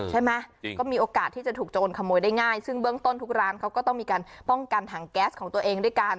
ใช่ไหมก็มีโอกาสที่จะถูกโจรขโมยได้ง่ายซึ่งเบื้องต้นทุกร้านเขาก็ต้องมีการป้องกันถังแก๊สของตัวเองด้วยกัน